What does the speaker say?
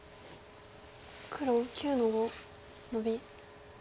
黒９の五ノビ。